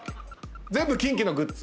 全部キンキのグッズ。